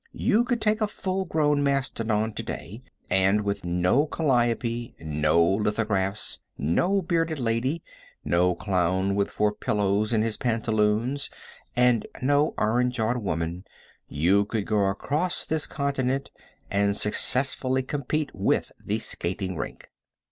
You could take a full grown mastodon to day, and with no calliope, no lithographs, no bearded lady, no clown with four pillows in his pantaloons and no iron jawed woman, you could go across this continent and successfully compete with the skating rink.